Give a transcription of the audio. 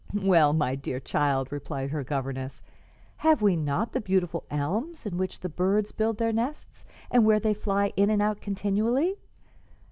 "Why, my dear child," replied her governess, "have we not the beautiful elms, in which the birds build their nests and where they fly in and out continually?